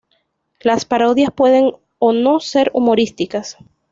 Las parodias pueden o no ser humorísticas.